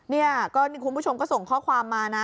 เออคุณผู้ชมก็ส่งข้อความมานะ